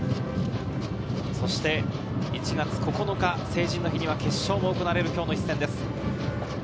そして１月９日、成人の日には決勝も行われる今日の一戦です。